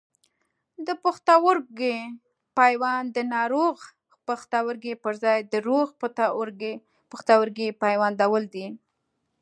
د پښتورګي پیوند د ناروغ پښتورګي پر ځای د روغ پښتورګي پیوندول دي.